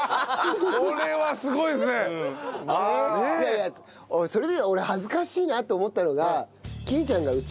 いやいやそれでいうなら俺恥ずかしいなと思ったのが。